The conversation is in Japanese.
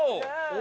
お！